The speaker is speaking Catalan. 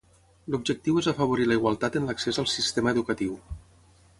L'objectiu és afavorir la igualtat en l'accés al sistema educatiu.